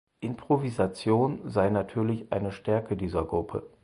Improvisation sei natürlich eine Stärke dieser Gruppe.